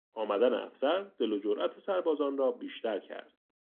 آمدن افسر دل و جرات سربازان را بیشتر کرد.